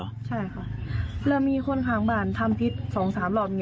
ใช่ค่ะแล้วมีคนข้างบ้านทำพิษ๒๓รอบ